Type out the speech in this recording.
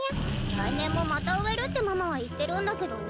来年もまた植えるってママは言ってるんだけどね